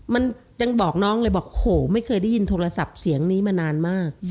มันยังบอกน้องเลยบอกโหไม่เคยได้ยินโทรศัพท์เสียงนี้มานานมาก